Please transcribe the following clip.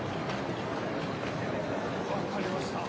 わかりました。